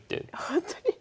ほんとに？